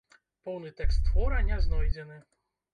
Поўны тэкст твора не знойдзены.